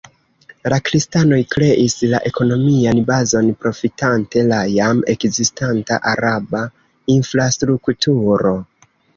La kristanoj kreis la ekonomian bazon profitante la jam ekzistanta araba infrastrukturo.